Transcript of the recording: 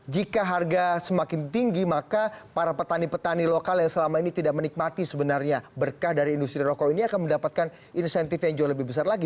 jika harga semakin tinggi maka para petani petani lokal yang selama ini tidak menikmati sebenarnya berkah dari industri rokok ini akan mendapatkan insentif yang jauh lebih besar lagi